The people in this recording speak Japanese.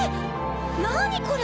何これ⁉